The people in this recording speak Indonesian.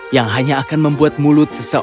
yang hanya akan membuat mulut mereka merasa takut